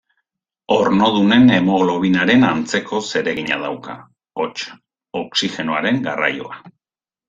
Ornodunen hemoglobinaren antzeko zeregina dauka, hots, oxigenoaren garraioa.